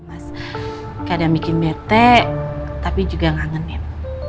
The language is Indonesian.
mas kadang bikin bete tapi juga ngangenin